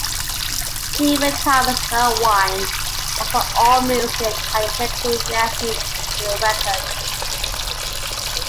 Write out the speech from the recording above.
Stephen Thomas Erlewine, also of Allmusic, had a negative reaction to the record.